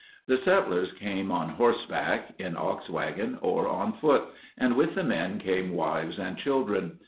The settlers came on horseback, in ox wagon, or on foot, and with the men came wives and children.